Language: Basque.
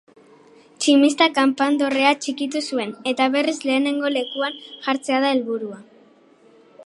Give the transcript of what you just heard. Tximistak kanpandorrea txikitu zuen eta berriz lehengo lekuan jartzea da helburua.